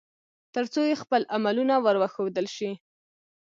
ترڅو يې خپل عملونه ور وښودل شي